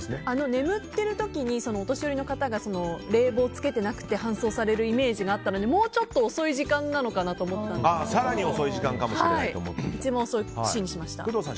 眠ってる時にお年寄りの方が冷房をつけてなくて搬送されるイメージがあったのでもうちょっと遅い時間なのかなって思ったんですけど一番遅いＣにしました。